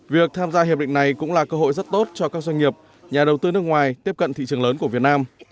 việc tham gia hiệp định này cũng là cơ hội rất tốt cho các doanh nghiệp nhà đầu tư nước ngoài tiếp cận thị trường lớn của việt nam